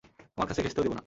আমার কাছে ঘেঁষতেও দেব না।